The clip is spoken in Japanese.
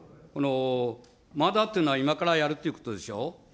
まだっていうのは、今からやるってことでしょ。